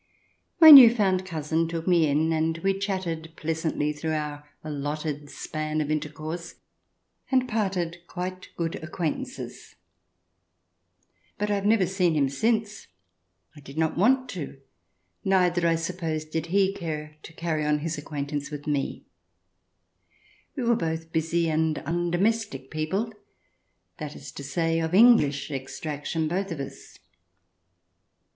My new found cousin took me in, and we chatted pleasantly through our allotted span of intercourse, and parted quite good acquaintances. But I have never seen him since ; I did not want to ; neither, I suppose, did he care to carry on his acquaintance with me. We J2 THE DESIRABLE ALIEN [ch. hi were both busy and undomestic people, that is to say, of English extraction, both of us.